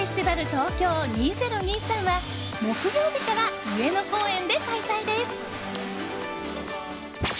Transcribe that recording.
ＴＯＫＹＯ２０２３は木曜日から上野公園で開催です。